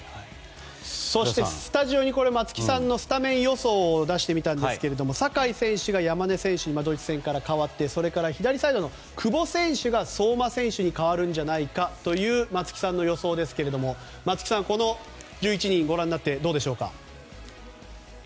そしてスタジオに松木さんのスタメン予想を出してもらったんですけど酒井選手が山根選手にドイツ戦から代わって左サイドの久保選手が相馬選手に代わるんじゃないかという松木さんの予想ですが松木さん、この１１人ご覧になっていかがでしょう。